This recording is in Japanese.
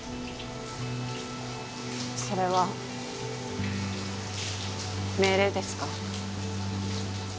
それは命令ですか？